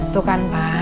tuh kan pak